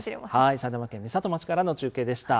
埼玉県美里町からの中継でした。